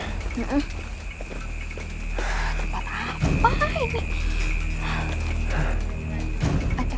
tempat apa ini